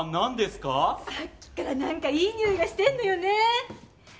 さっきからなんかいいにおいがしてんのよね。